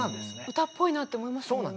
歌っぽいなって思いましたもん。